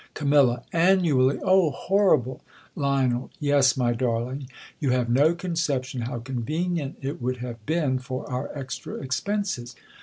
Cam, Annually ! O horrible ! Lion, i'es, my darling. You have no conception how conv^enient it would have been for our extra ex penses.